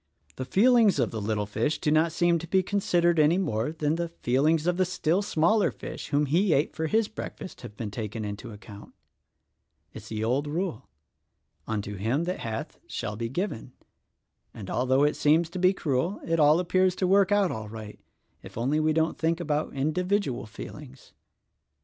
The feelings of the little fish do not seem to be considered any more than the feelings of the still smaller fish whom he ate for his breakfast have been taken into account. It's the old rule, 'Unto him that hath shall be given' and, although it seems to be cruel, it all appears to work out all right — if only we don't think about individual feelings."